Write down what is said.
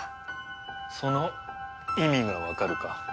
その意味がわかるか？